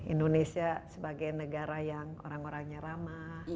indonesia sebagai negara yang orang orangnya ramah